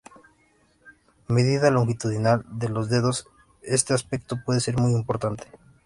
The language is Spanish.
Medida longitudinal de los dedos: Este aspecto pude ser muy importante.